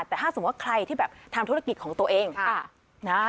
แต่ถ้าสมมุติว่าใครที่แบบทำธุรกิจของตัวเอง